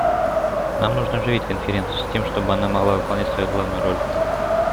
Нам нужно оживить Конференцию, с тем чтобы она могла выполнять свою главную роль.